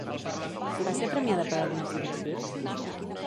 Va ser premiada per alguna producció?